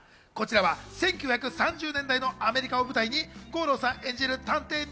こちらは１９３０年代のアメリカを舞台に吾郎さん演じる探偵